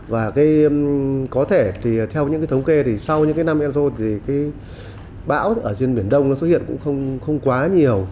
và có thể thì theo những cái thống kê thì sau những cái năm enzo thì cái bão ở trên biển đông nó xuất hiện cũng không quá nhiều